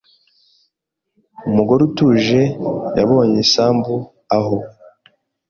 Umugore utuje yabonye isambu aho